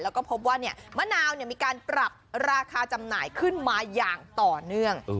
แล้วก็พบว่ามะนาวมีการปรับราคาจำหน่ายขึ้นมาอย่างต่อเนื่อง